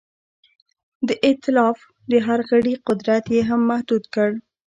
د ایتلاف د هر غړي قدرت یې هم محدود کړ.